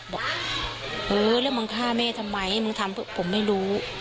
บอกเออแล้วมึงฆ่าแม่ทำไมมึงทำผมไม่รู้